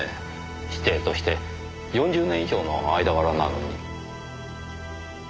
師弟として４０年以上の間柄なのに。